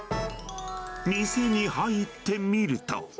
店に入ってみると。